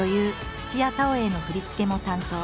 土屋太鳳への振り付けも担当。